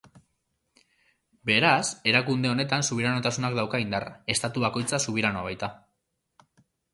Beraz, erakunde honetan subiranotasunak dauka indarra, estatu bakoitza subiranoa baita.